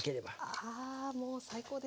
あもう最高ですね